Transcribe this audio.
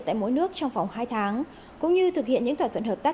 tại mỗi nước trong vòng hai tháng cũng như thực hiện những thỏa thuận hợp tác